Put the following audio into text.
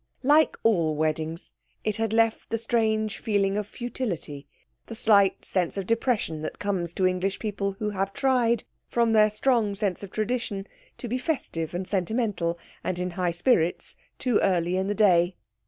Like all weddings it had left the strange feeling of futility, the slight sense of depression that comes to English people who have tried, from their strong sense of tradition, to be festive and sentimental and in high spirits too early in the day.